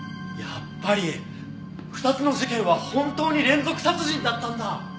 やっぱり２つの事件は本当に連続殺人だったんだ！